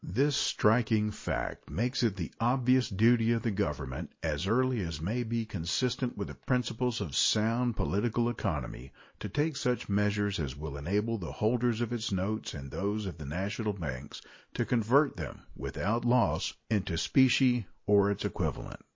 This striking fact makes it the obvious duty of the Government, as early as may be consistent with the principles of sound political economy, to take such measures as will enable the holders of its notes and those of the national banks to convert them, without loss, into specie or its equivalent.